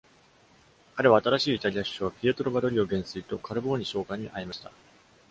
彼は新しいイタリア首相ピエトロ・バドリオ元帥と、カルボーニ将官に会いました。